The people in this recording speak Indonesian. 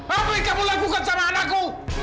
apa yang kamu lakukan sama anakku